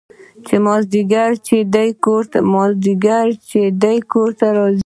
چې مازديګر چې دى کور ته ځي.